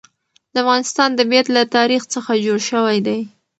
د افغانستان طبیعت له تاریخ څخه جوړ شوی دی.